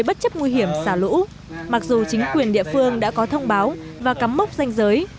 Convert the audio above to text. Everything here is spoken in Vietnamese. bất chấp nguy hiểm xả lũ mặc dù chính quyền địa phương đã có thông báo và cắm mốc danh giới